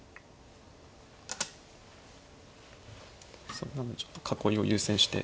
それなんでちょっと囲いを優先して。